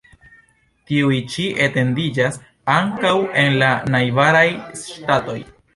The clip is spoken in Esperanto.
Tiuj ĉi etendiĝas ankaŭ en la najbaraj ŝtatoj.